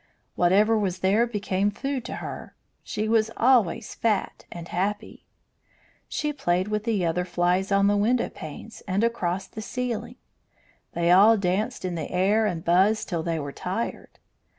Whatever was there became food to her, so she was always fat and happy. She played with the other flies on the window panes and across the ceiling; they all danced in the air and buzzed till they were tired.